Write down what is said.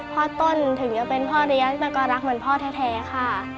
ต้นถึงจะเป็นพ่อเลี้ยงแต่ก็รักเหมือนพ่อแท้ค่ะ